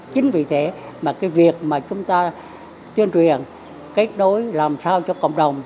chính vì thế mà cái việc mà chúng ta chuyên truyền kết nối làm sao cho cộng đồng